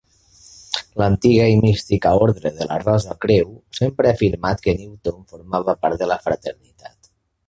L'Antiga i Mística Ordre de la Rosa-Creu sempre ha afirmat que Newton formava part de la fraternitat.